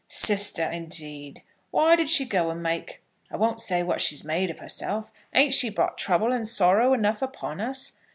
Sister, indeed! Why did she go and make . I won't say what she's made of herself. Ain't she brought trouble and sorrow enough upon us?